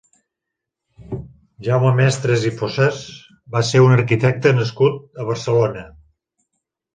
Jaume Mestres i Fossas va ser un arquitecte nascut a Barcelona.